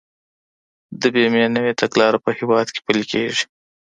د بيمې نوي تګلارې په هيواد کي پلي کيږي.